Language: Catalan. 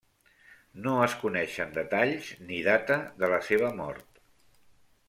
No es coneixen detalls ni data de la seva mort.